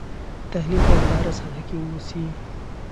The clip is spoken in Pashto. تحلیل باید په هره سطحه کې وسي.